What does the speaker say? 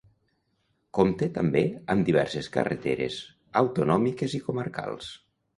Compte també amb diverses carreteres autonòmiques i comarcals.